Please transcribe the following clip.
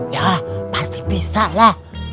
ya pasti bisa lah